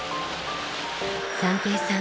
三瓶さん